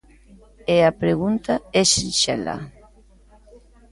E a pregunta é sinxela.